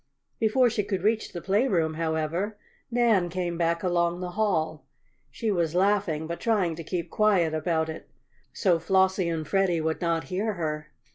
Before she could reach the playroom, however, Nan came back along the hall. She was laughing, but trying to keep quiet about it, so Flossie and Freddie would not hear her.